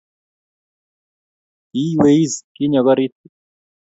Kiiyweisis kinyokorit